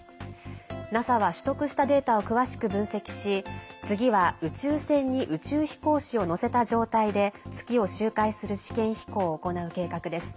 ＮＡＳＡは取得したデータを詳しく分析し次は、宇宙船に宇宙飛行士を乗せた状態で月を周回する試験飛行を行う計画です。